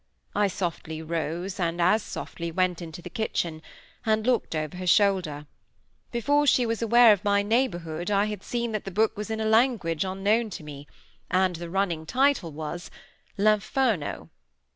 I softly rose, and as softly went into the kitchen, and looked over her shoulder; before she was aware of my neighbourhood, I had seen that the book was in a language unknown to me, and the running title was L'Inferno.